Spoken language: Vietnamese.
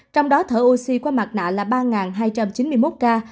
trong đó thở oxy qua mặt nạ là ba hai trăm chín mươi một ca